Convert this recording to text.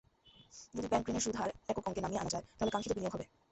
যদি ব্যাংকঋণের সুদহার একক অঙ্কে নামিয়ে আনা যায়, তাহলে কাঙ্ক্ষিত বিনিয়োগ হবে।